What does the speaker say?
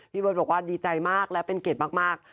เบิร์ตบอกว่าดีใจมากและเป็นเกียรติมาก